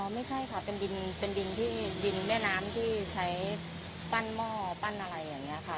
ไม่ใช่ค่ะเป็นดินที่ดินแม่น้ำที่ใช้ปั้นหม้อปั้นอะไรอย่างนี้ค่ะ